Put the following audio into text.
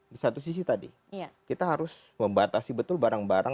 di satu sisi tadi kita harus membatasi betul barang barang